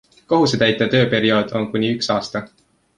Kohusetäitja tööperiood on kuni üks aasta.